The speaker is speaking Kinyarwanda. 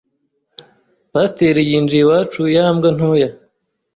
pasteri yinjiye iwacu ya mbwa ntoya